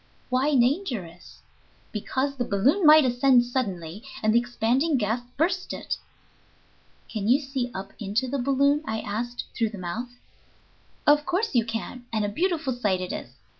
"Why dangerous?" "Because the balloon might ascend suddenly, and the expanding gas burst it." "Can you see up into the balloon," I asked, "through the mouth?" "Of course you can, and a beautiful sight it is.